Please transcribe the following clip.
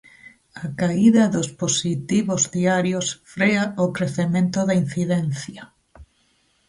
A caída dos positivos diarios frea o crecemento da incidencia.